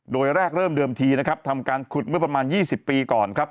โดยแรกเริ่มเดิมทีนะครับทำการขุดเมื่อประมาณ๒๐ปีก่อนครับ